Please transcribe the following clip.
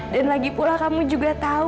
dan lagi pula kamu juga tahu